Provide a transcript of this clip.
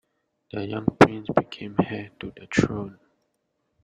The young prince became heir to the throne.